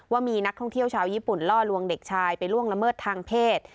ว่ามีนักท่องเที่ยวชาวญี่ปุ่นล่อลวงเด็กชายไปล่วงละเมิดทางเพศ